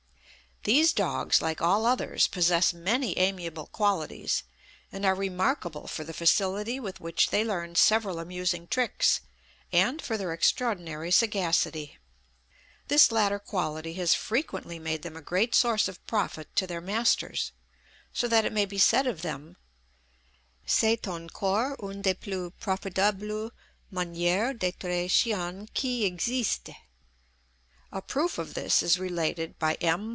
_ These dogs, like all others, possess many amiable qualities, and are remarkable for the facility with which they learn several amusing tricks, and for their extraordinary sagacity. This latter quality has frequently made them a great source of profit to their masters, so that it may be said of them, "c'est encore une des plus profitables manières d'être chien qui existent." A proof of this is related by M.